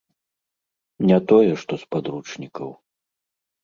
Не тое што з падручнікаў.